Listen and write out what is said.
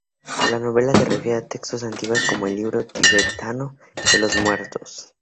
La novela se refiere a textos antiguos como el "Libro Tibetano de los Muertos".